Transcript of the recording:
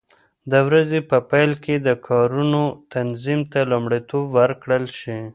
د ورځې په پیل کې د کارونو تنظیم ته لومړیتوب ورکړل شي.